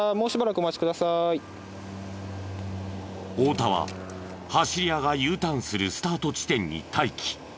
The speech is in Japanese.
太田は走り屋がＵターンするスタート地点に待機。